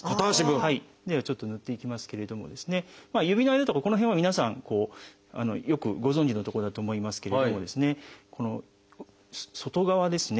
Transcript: ではちょっとぬっていきますけれども指の間とかこの辺は皆さんよくご存じの所だと思いますけれどもこの外側ですね。